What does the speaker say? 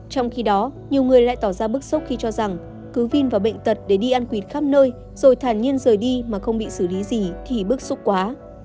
trong khi đó nhiều người lại tỏ ra bức xúc khi cho rằng cứ vin vào bệnh tật để đi ăn quỳt khắp nơi rồi thản nhiên rời đi mà không bị xử lý gì thì bức xúc quá